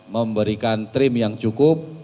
memberikan trim yang cukup